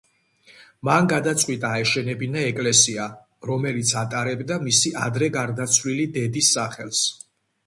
მან გადაწყვიტა აეშენებინა ეკლესია, რომელიც ატარებდა მისი ადრე გარდაცვლილი დედის სახელს.